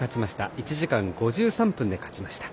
１時間５３分で勝ちました。